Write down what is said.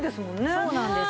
そうなんです。